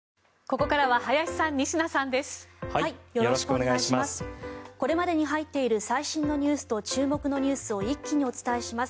これまでに入っている最新のニュースと注目のニュースを一気にお伝えします。